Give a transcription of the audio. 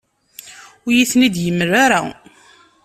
Ur iyi-ten-id-yemla ara.